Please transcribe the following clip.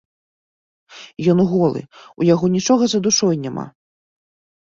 Ён голы, у яго нічога за душой няма.